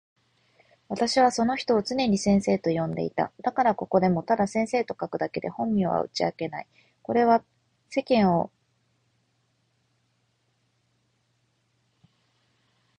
私はその人を常に先生と呼んでいた。だからここでもただ先生と書くだけで本名は打ち明けない。これは世間を憚る遠慮というよりも、その方が私にとって自然だからである。私はその人の記憶を呼び起すごとに、すぐ「先生」といいたくなる。筆を執とっても心持は同じ事である。よそよそしい頭文字などはとても使う気にならない。